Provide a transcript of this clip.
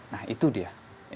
nah itu dia